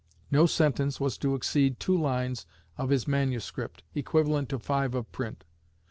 No sentence was to exceed two lines of his manuscript, equivalent to five of print.